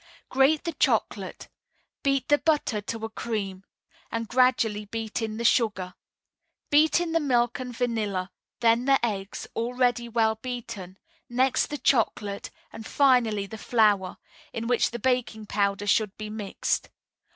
Grate the chocolate. Beat the butter to a cream, and gradually beat in the sugar. Beat in the milk and vanilla, then the eggs (already well beaten), next the chocolate, and finally the flour, in which the baking powder should be mixed.